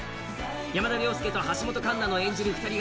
山田涼介と橋本環奈の演じる胸